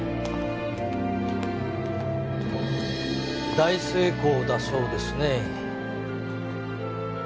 大成功だそうですね